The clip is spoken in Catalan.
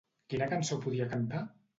Quina cançó podia cantar?